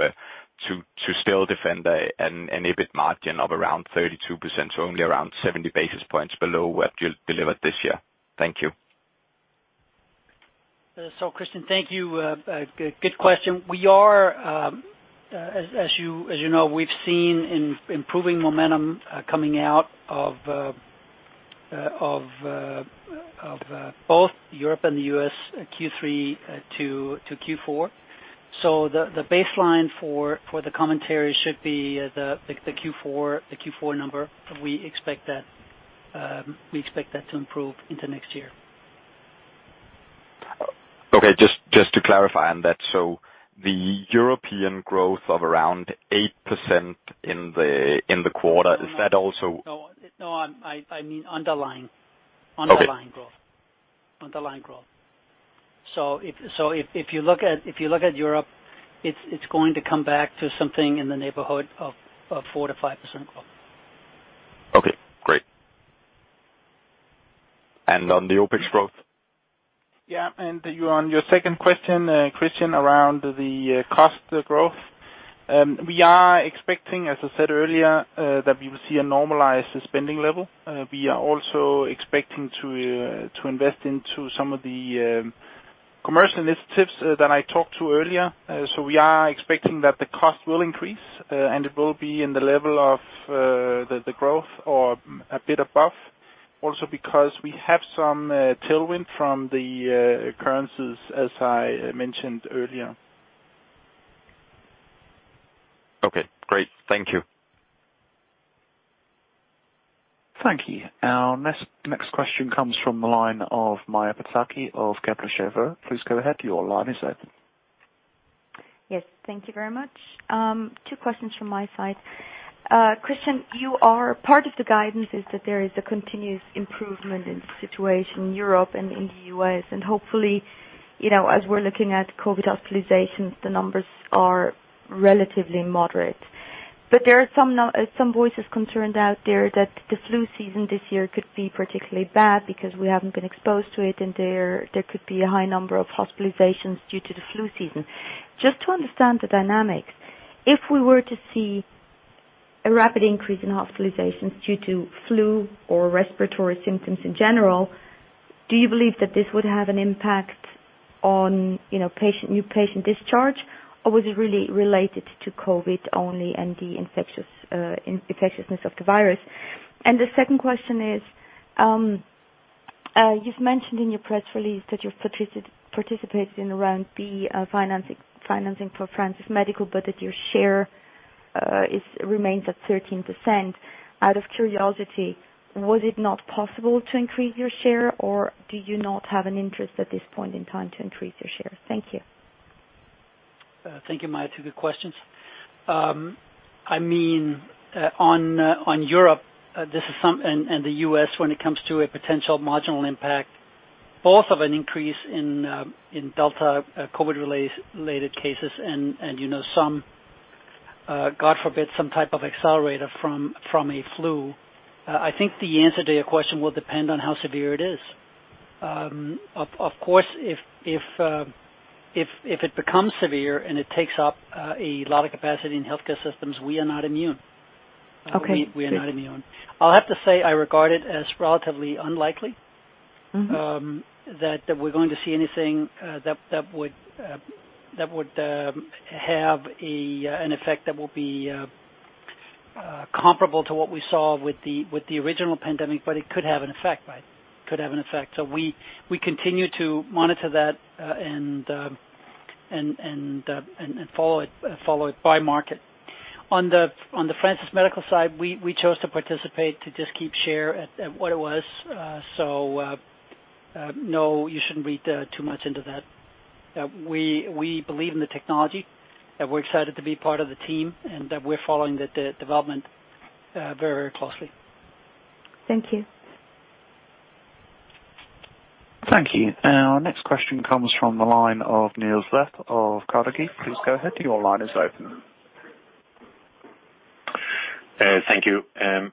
still defend an EBIT margin of around 32%, so only around 70 basis points below what you delivered this year. Thank you. Christian, thank you. Good question. We are, as you know, we've seen improving momentum coming out of both Europe and the U.S. Q3 to Q4. The baseline for the commentary should be the Q4 number. We expect that to improve into next year. Okay. Just to clarify on that. The European growth of around 8% in the quarter, is that also? No, I mean underlying. Okay. Underlying growth. If you look at Europe, it's going to come back to something in the neighborhood of 4%-5% growth. Okay, great. On the OpEx growth? Yeah. On your second question, Christian, around the cost growth, we are expecting, as I said earlier, that we will see a normalized spending level. We are also expecting to invest into some of the commercial initiatives that I talked to earlier. We are expecting that the cost will increase, and it will be in the level of the growth or a bit above also because we have some tailwind from the currencies, as I mentioned earlier. Okay, great. Thank you. Thank you. Our next question comes from the line of Maja Pataki of Kepler Cheuvreux. Please go ahead. Your line is open. Yes. Thank you very much. Two questions from my side. Kristian, part of the guidance is that there is a continuous improvement in the situation in Europe and in the U.S. Hopefully, you know, as we're looking at COVID hospitalizations, the numbers are relatively moderate. There are some voices concerned out there that the flu season this year could be particularly bad because we haven't been exposed to it, and there could be a high number of hospitalizations due to the flu season. Just to understand the dynamics, if we were to see a rapid increase in hospitalizations due to flu or respiratory symptoms in general, do you believe that this would have an impact on, you know, new patient discharge, or was it really related to COVID only and the infectiousness of the virus? The second question is, you've mentioned in your press release that you've participated in around the financing for Francis Medical, but that your share is remains at 13%. Out of curiosity, was it not possible to increase your share, or do you not have an interest at this point in time to increase your share? Thank you. Thank you, Maja. Two good questions. I mean, on Europe and the U.S. when it comes to a potential marginal impact, both of an increase in Delta COVID-related cases and, you know, God forbid, some type of accelerator from a flu, I think the answer to your question will depend on how severe it is. Of course, if it becomes severe and it takes up a lot of capacity in healthcare systems, we are not immune. Okay. We are not immune. I'll have to say I regard it as relatively unlikely. Mm-hmm. That we're going to see anything that would have an effect that will be. Comparable to what we saw with the original pandemic, but it could have an effect, right? We continue to monitor that and follow it by market. On the Francis Medical side, we chose to participate to just keep share at what it was. No, you shouldn't read too much into that. We believe in the technology, and we're excited to be part of the team, and we're following the development very closely. Thank you. Thank you. Our next question comes from the line of Niels Leth of Carnegie. Please go ahead, your line is open. Thank you.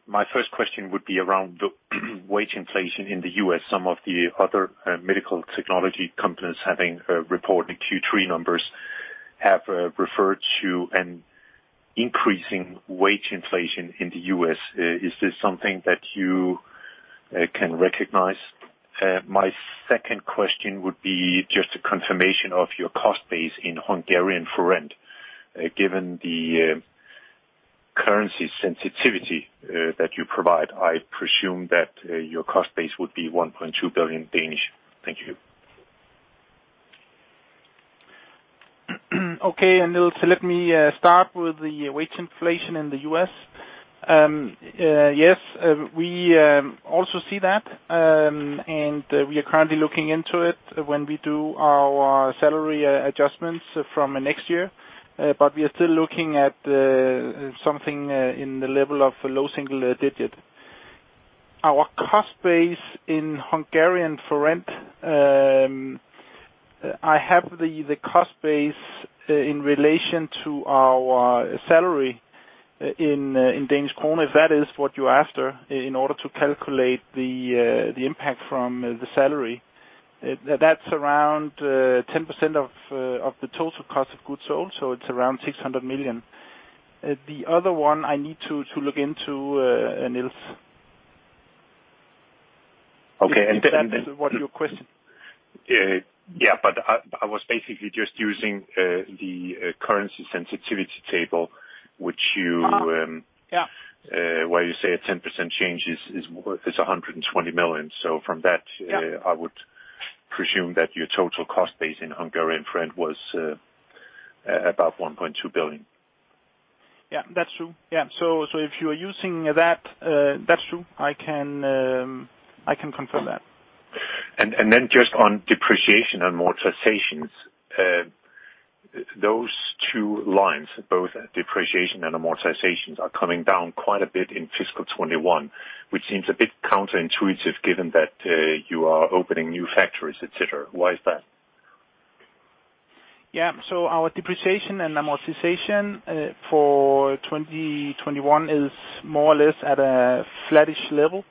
My first question would be around the wage inflation in the U.S. Some of the other medical technology companies having reported Q3 numbers have referred to an increasing wage inflation in the U.S. Is this something that you can recognize? My second question would be just a confirmation of your cost base in Hungarian forint. Given the currency sensitivity that you provide, I presume that your cost base would be 1.2 billion. Thank you. Okay, Niels, let me start with the wage inflation in the U.S. Yes, we also see that, and we are currently looking into it when we do our salary adjustments from next year. But we are still looking at something in the level of low single digit. Our cost base in Hungarian forint, I have the cost base in relation to our salary in Danish krone, if that is what you're after, in order to calculate the impact from the salary. That's around 10% of the total cost of goods sold, so it's around 600 million. The other one I need to look into, Niels. Okay. Is that what your question is? Yeah. I was basically just using the currency sensitivity table, which you- Uh-huh. Yeah. Where you say a 10% change is 120 million. From that- Yeah I would presume that your total cost base in Hungarian forint was about 1.2 billion. Yeah, that's true. Yeah. If you are using that's true. I can confirm that. Just on depreciation and amortizations, those two lines, both depreciation and amortizations, are coming down quite a bit in fiscal 2021, which seems a bit counterintuitive given that you are opening new factories, et cetera. Why is that? Yeah. Our depreciation and amortization for 2021 is more or less at a flattish level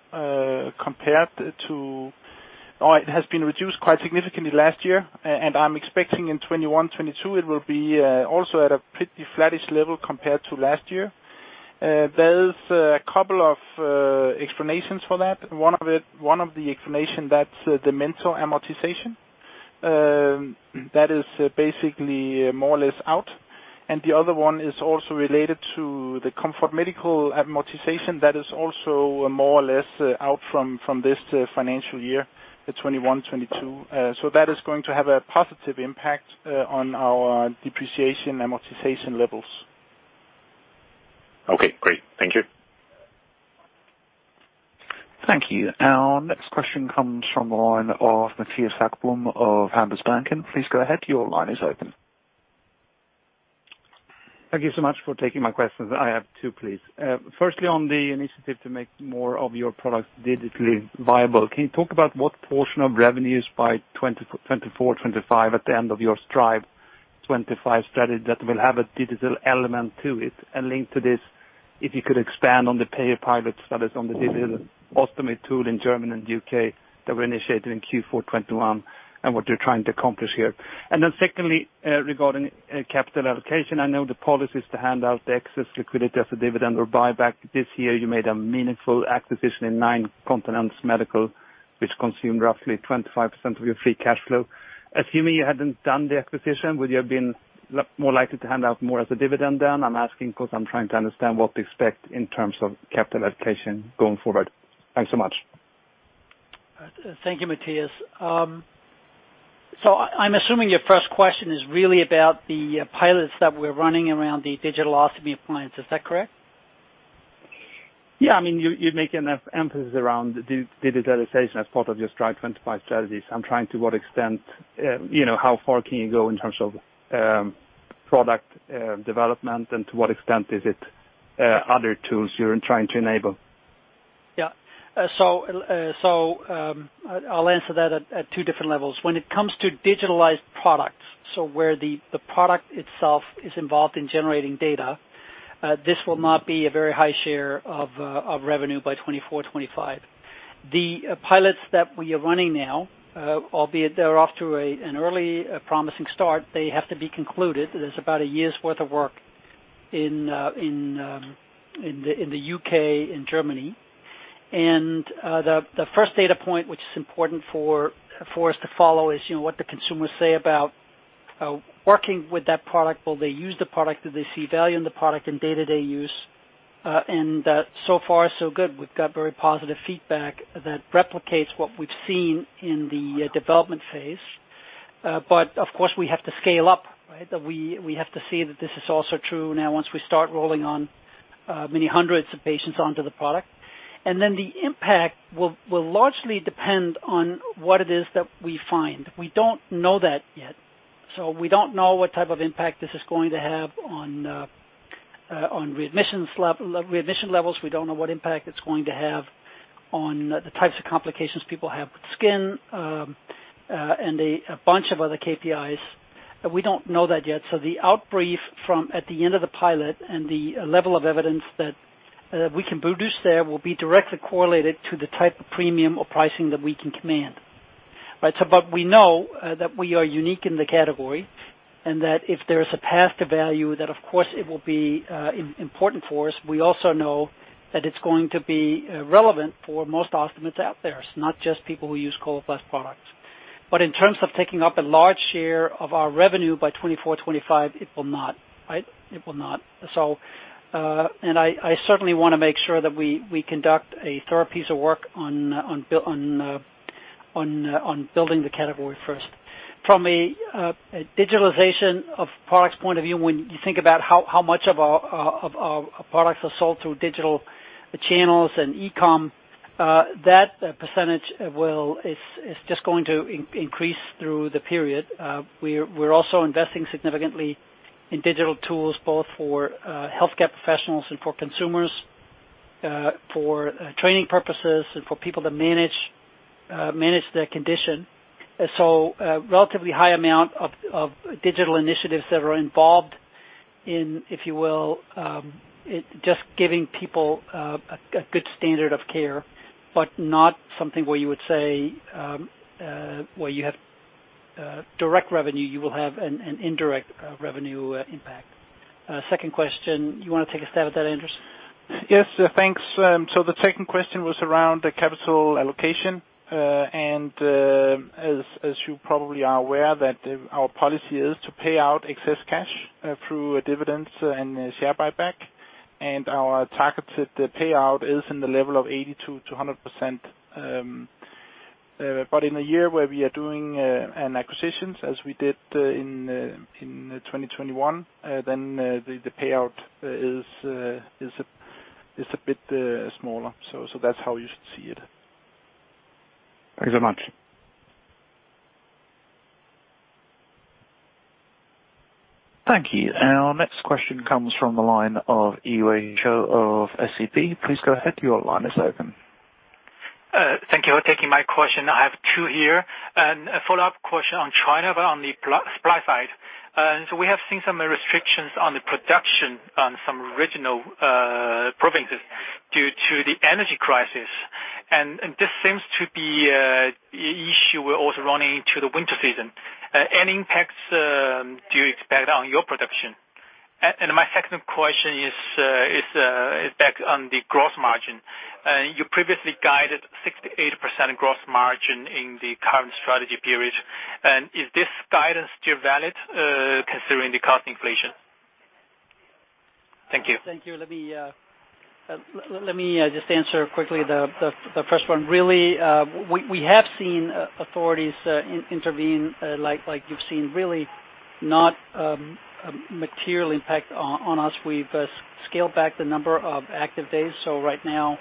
compared to it has been reduced quite significantly last year. I'm expecting in 2021-2022, it will be also at a pretty flattish level compared to last year. There's a couple of explanations for that. One of the explanations is the Mentor amortization. That is basically more or less out. The other one is also related to the Comfort Medical amortization that is also more or less out from this financial year, 2021-2022. That is going to have a positive impact on our depreciation amortization levels. Okay, great. Thank you. Thank you. Our next question comes from the line of Mattias Häggblom of Handelsbanken. Please go ahead. Your line is open. Thank you so much for taking my questions. I have two, please. Firstly, on the initiative to make more of your products digitally viable, can you talk about what portion of revenues by 2024-2025 at the end of your Strive25 strategy that will have a digital element to it and link to this? If you could expand on the payer pilot studies on the Digital Ostomy Tool in Germany and U.K. that were initiated in Q4 2021 and what they're trying to accomplish here. Secondly, regarding capital allocation. I know the policy is to hand out the excess liquidity as a dividend or buyback. This year you made a meaningful acquisition in Nine Continents Medical, which consumed roughly 25% of your free cash flow. Assuming you hadn't done the acquisition, would you have been more likely to hand out more as a dividend then? I'm asking 'cause I'm trying to understand what to expect in terms of capital allocation going forward. Thanks so much. Thank you, Mattias. I'm assuming your first question is really about the pilots that we're running around the Digital Ostomy appliance. Is that correct? Yeah. I mean, you're making an emphasis around the digitalization as part of your Strive25 strategies. I'm trying to what extent, you know, how far can you go in terms of product development and to what extent is it other tools you're trying to enable? I'll answer that at two different levels. When it comes to digitalized products, where the product itself is involved in generating data, this will not be a very high share of revenue by 2024-2025. The pilots that we are running now, albeit they're off to an early promising start, they have to be concluded. There's about a year's worth of work in the U.K. and Germany. The first data point which is important for us to follow is, you know, what the consumers say about working with that product. Will they use the product? Do they see value in the product in day-to-day use? So far so good. We've got very positive feedback that replicates what we've seen in the development phase. Of course, we have to scale up, right? We have to see that this is also true now once we start rolling on many hundreds of patients onto the product. Then the impact will largely depend on what it is that we find. We don't know that yet. We don't know what type of impact this is going to have on readmission levels. We don't know what impact it's going to have on the types of complications people have with skin, and a bunch of other KPIs. We don't know that yet. The outbrief from the end of the pilot and the level of evidence that we can produce there will be directly correlated to the type of premium or pricing that we can command, right? We know that we are unique in the category, and that if there is a path to value, that of course it will be important for us. We also know that it's going to be relevant for most ostomates out there, so not just people who use Coloplast products. In terms of taking up a large share of our revenue by 2024-2025, it will not, right? It will not. I certainly want to make sure that we conduct a thorough piece of work on building the category first. From a digitalization of products point of view, when you think about how much of our products are sold through digital channels and e-com, that percentage is just going to increase through the period. We're also investing significantly in digital tools, both for healthcare professionals and for consumers, for training purposes and for people to manage their condition. A relatively high amount of digital initiatives that are involved in, if you will, it just giving people a good standard of care, but not something where you have direct revenue, you will have an indirect revenue impact. Second question, you wanna take a stab at that, Anders? Yes, thanks. The second question was around the capital allocation. As you probably are aware that our policy is to pay out excess cash through dividends and share buyback. Our targeted payout is in the level of 80%-100%. In a year where we are doing acquisitions as we did in 2021, then the payout is a bit smaller. That's how you should see it. Thank you very much. Thank you. Our next question comes from the line of Yiwei Zhou of SEB. Please go ahead, your line is open. Thank you for taking my question. I have two here. A follow-up question on China, but on the supply side. So we have seen some restrictions on the production on some regional provinces due to the energy crisis. This seems to be a issue we're also running into the winter season. Any impacts do you expect on your production? My second question is back on the gross margin. You previously guided 6%-8% gross margin in the current strategy period. Is this guidance still valid, considering the cost inflation? Thank you. Thank you. Let me just answer quickly the first one. Really, we have seen authorities intervene, like you've seen, really not materially impact on us. We've scaled back the number of active days. Right now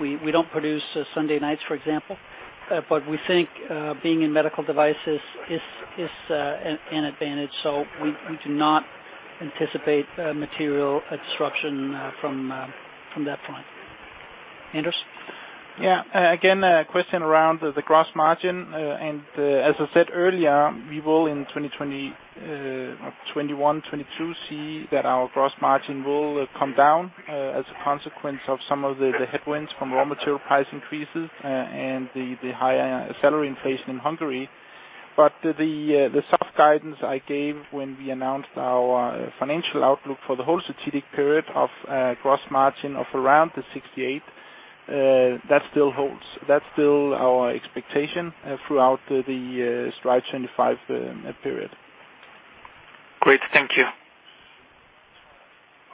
we don't produce Sunday nights, for example. We think being in medical devices is an advantage. We do not anticipate a material disruption from that front. Anders? Yeah. Again, a question around the gross margin. As I said earlier, we will in 2021-2022 see that our gross margin will come down as a consequence of some of the headwinds from raw material price increases and the higher salary inflation in Hungary. But the soft guidance I gave when we announced our financial outlook for the whole strategic period of gross margin of around 68% still holds. That's still our expectation throughout the Strive25 period. Great. Thank you.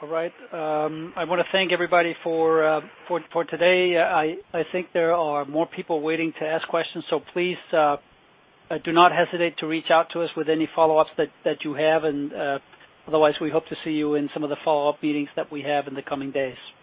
All right. I wanna thank everybody for today. I think there are more people waiting to ask questions, so please do not hesitate to reach out to us with any follow-ups that you have. Otherwise, we hope to see you in some of the follow-up meetings that we have in the coming days.